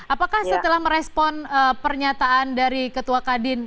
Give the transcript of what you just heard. apakah setelah merespon pernyataan dari ketua kadin